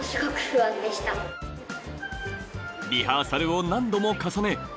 リハーサルを何度も重ね